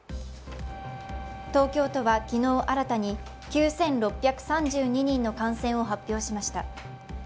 東京都は昨日新たに９６３２人の感染を発表しました。